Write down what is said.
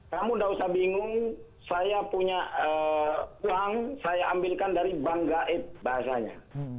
kamu tidak usah bingung saya punya uang saya ambilkan dari bank gaib bahasanya